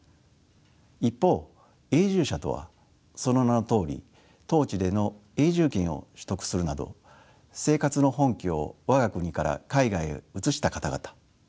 一方永住者とはその名のとおり当地での永住権を取得するなど生活の本拠を我が国から海外へ移した方々とされています。